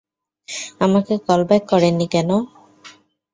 আমাকে কলব্যাক করেননি কেন?